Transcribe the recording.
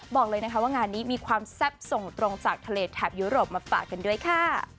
บอกเลยนะคะว่างานนี้มีความแซ่บส่งตรงจากทะเลแถบยุโรปมาฝากกันด้วยค่ะ